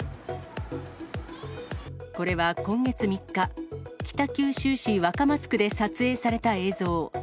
これは今月３日、北九州市若松区で撮影された映像。